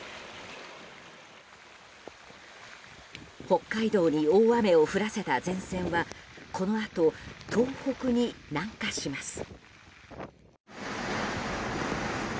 北海道に大雨を降らせた前線はこのあと東北に南下します。